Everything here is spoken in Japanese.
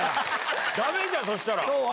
だめじゃん、そしたら。